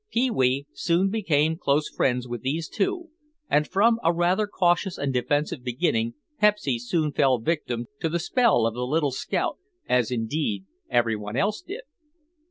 Pee wee soon became close friends with these two, and from a rather cautious and defensive beginning Pepsy soon fell victim to the spell of the little scout, as indeed every one else did.